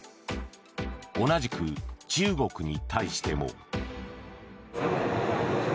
同じく中国に対しても。